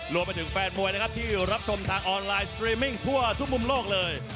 รวมไปถึงแฟนมวยนะครับที่รับชมทางออนไลน์สตรีมมิ่งทั่วทุกมุมโลกเลย